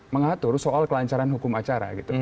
mengatur soal kelancaran hukum acara gitu